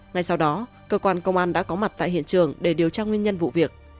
ngay sau đó cơ quan công an đã có mặt tại hiện trường để điều tra nguyên nhân vụ việc